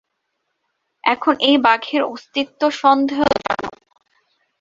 এখন এই বাঘের অস্তিত্ব সন্দেহজনক।